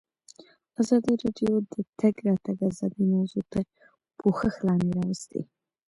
ازادي راډیو د د تګ راتګ ازادي موضوع تر پوښښ لاندې راوستې.